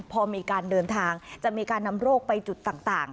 พอมีการเดินทางจะมีการนำโรคไปจุดต่าง